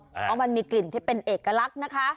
เพราะมันมีกลิ่นที่เป็นเอกลักษณ์นะคะ